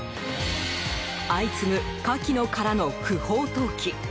相次ぐ、カキの殻の不法投棄。